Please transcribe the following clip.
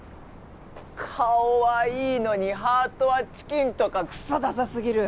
顔はいいのにハートはチキンとかくそダサすぎる。